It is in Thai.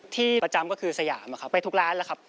ที่ประจำก็คือสยามอะครับไปทุกร้านแล้วครับ